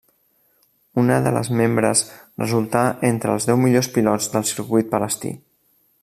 Una de les membres resultà entre els deu millors pilots del circuit palestí.